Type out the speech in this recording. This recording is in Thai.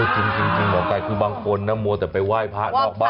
จริงหมอไก่คือบางคนนะมัวแต่ไปไหว้พระนอกบ้าน